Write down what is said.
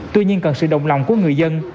tuy nhiên cần sự đồng lòng của người dân